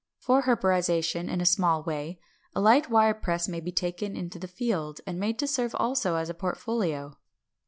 For herborization in a small way, a light wire press may be taken into the field and made to serve also as a portfolio.